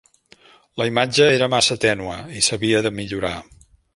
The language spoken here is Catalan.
La imatge era massa tènue, i s'havia de millorar.